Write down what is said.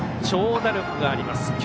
長打力があります。